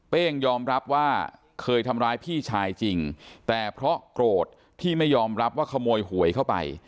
้งยอมรับว่าเคยทำร้ายพี่ชายจริงแต่เพราะโกรธที่ไม่ยอมรับว่าขโมยหวยเข้าไป